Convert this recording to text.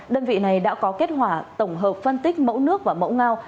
đơn vị này đã có kết quả tổng hợp phân tích mẫu nước và mẫu ngao